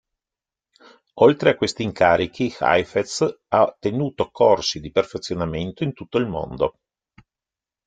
Oltre a questi incarichi, Heifetz ha tenuto corsi di perfezionamento in tutto il mondo.